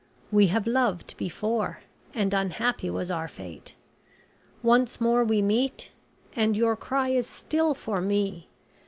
We have loved before, and unhappy was our fate. Once more we meet, and your cry is still for me.